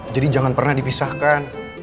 jadi jangan pernah dipisahkan